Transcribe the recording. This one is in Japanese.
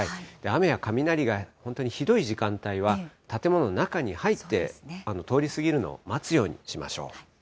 雨や雷が本当にひどい時間帯は、建物の中に入って、通り過ぎるのを待つようにしましょう。